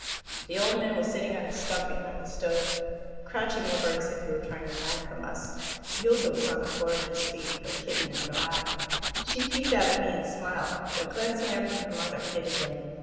The old man was sitting on a stump behind the stove, crouching over as if he were trying to hide from us. Yulka was on the floor at his feet, her kitten in her lap. She peeped out at me and smiled, but, glancing up at her mother, hid again.